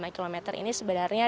tujuh puluh lima km ini sebenarnya